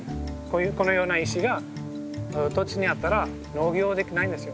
このような石が土地にあったら農業はできないんですよ。